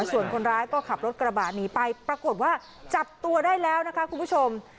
ส่วนคนร้ายก็ขับรถกระบะหนีไปปรากฏว่าจับตัวได้แล้วนะคะคุณผู้ชม